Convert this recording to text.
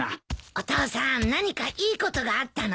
お父さん何かいいことがあったの？